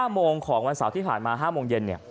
โมงของวันเสาร์ที่ผ่านมา๕โมงเย็น